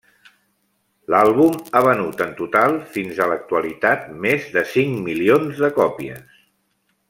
L'àlbum ha venut en total, fins a l'actualitat, més de cinc milions de còpies.